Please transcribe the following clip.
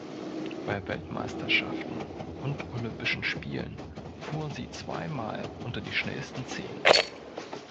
Bei Weltmeisterschaften und Olympischen Spielen fuhr sie zweimal unter die schnellsten zehn.